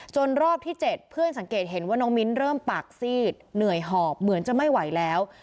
รอบที่๗เพื่อนสังเกตเห็นว่าน้องมิ้นเริ่มปากซีดเหนื่อยหอบเหมือนจะไม่ไหวแล้ว